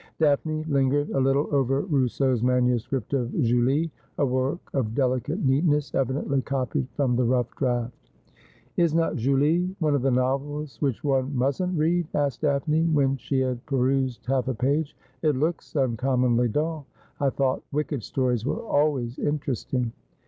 Daphne lingered a little over Rousseau's manuscript of ' Julie,' a work of delicate neatness, evidently copied from the rough draft. 'Is not "Julie" one of the novels which one mustn't read ?' asked Daphne, when she had perused half a page. ' It looks uncommonly dull. I thought wicked stories were always inter esting.'